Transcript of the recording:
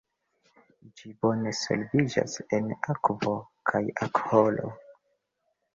Ĝi bone solviĝas en akvo kaj alkoholo.